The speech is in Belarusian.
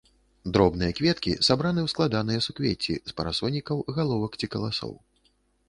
Дробныя кветкі сабраны ў складаныя суквецці з парасонікаў, галовак ці каласоў.